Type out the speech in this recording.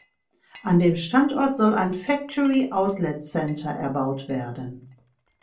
An dem Standort soll ein Factory-Outlet-Center erbaut werden.